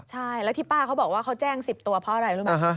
ใช่แล้วที่ป้าเขาบอกว่าเขาแจ้ง๑๐ตัวเพราะอะไรรู้ไหม